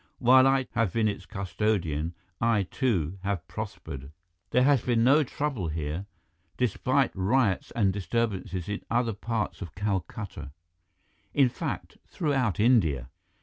While I have been its custodian, I, too, have prospered. There has been no trouble here, despite riots and disturbances in other parts of Calcutta, in fact, throughout India."